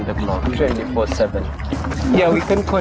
mẹ của nó đã bị giết bởi bọn tàu